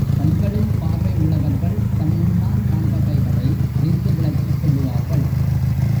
கண்களில் பார்வையுள்ளவர்கள் தம் முன்னால் காண்பவைகளை அறிந்து விளக்கிச் சொல்லுவார்கள்.